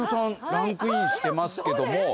ランクインしてますけども。